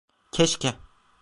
Keşke.